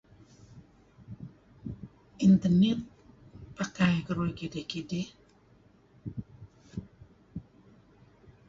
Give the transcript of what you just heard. [unintelligible] pakai kaduih kidih kidih.